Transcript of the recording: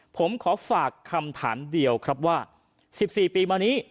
ผมขอฝากคำถามเดียวครับว่า๑๔ปีมานี้